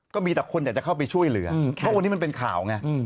ก็มีแต่คนอยากจะเข้าไปช่วยเหลือเพราะวันนี้มันเป็นข่าวไง